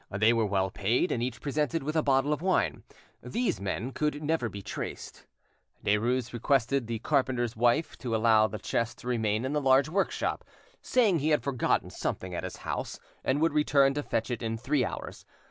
They were well paid, and each presented with a bottle of wine. These men could never be traced. Derues requested the carpenter's wife to allow the chest to remain in the large workshop, saying he had forgotten something at his own house, and would return to fetch it in three hours.